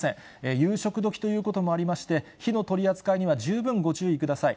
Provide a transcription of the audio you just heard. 夕食時ということもありまして、火の取り扱いには十分ご注意ください。